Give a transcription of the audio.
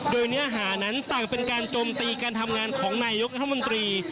โดยเนื้อหานั้นต่างเป็นการโจมตีการทำงานของนายกรัฐมนตรี